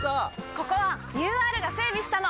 ここはＵＲが整備したの！